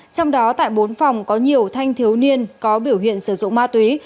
trong đó tại bốn phòng có nhiều thanh thiếu niên có biểu hiện sử dụng ma túy